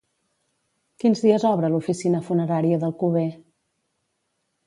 Quins dies obre l'oficina funerària d'Alcover?